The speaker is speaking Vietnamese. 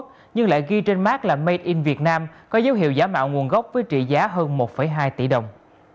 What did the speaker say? trên mắt là made in vietnam có dấu hiệu giả mạo nguồn gốc với trị giá hơn một hai tỷ đồng